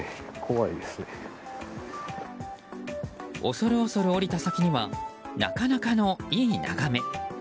恐る恐る下りた先にはなかなかのいい眺め。